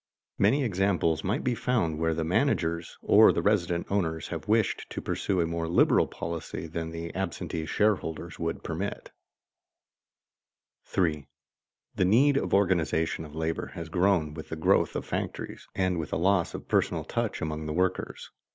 Many examples might be found where the managers or the resident owners have wished to pursue a more liberal policy than the absentee shareholders would permit. [Sidenote: Lack of personal acquaintance among workers] 3. _The need of organization of labor has grown with the growth of factories and with the loss of personal touch among the workers.